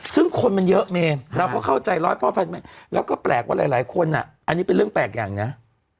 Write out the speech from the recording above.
ซึ่งคนมันเยอะเมนเราก็เข้าใจร้อยพ่อพันแล้วก็แปลกว่าหลายคนอันนี้เป็นเรื่องแปลกอย่างนะ